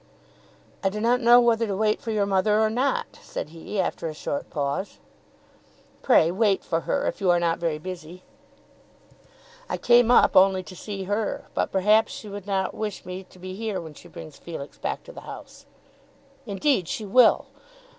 "I do not know whether to wait for your mother or not," said he after a short pause. "Pray wait for her if you are not very busy." "I came up only to see her, but perhaps she would not wish me to be here when she brings Felix back to the house." "Indeed she will.